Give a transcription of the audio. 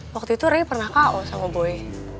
waktu itu ray pernah ko sama boy